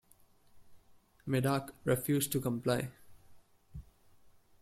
Medak refused to comply.